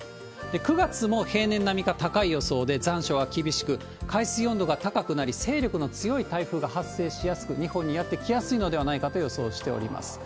９月も平年並みか、高い予想で、残暑が厳しく、海水温度が高くなり、勢力の強い台風が発生しやすく、日本にやって来やすいのではないかと予想しております。